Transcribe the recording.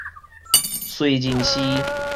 燧人氏